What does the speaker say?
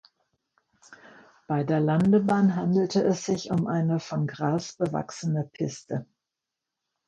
Bei der Landebahn handelte es sich um eine von Gras bewachsene Piste.